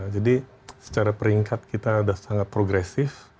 jadi secara peringkat kita sudah sangat progresif